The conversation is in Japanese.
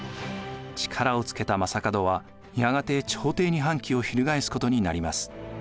力をつけた将門はやがて朝廷に反旗を翻すことになります。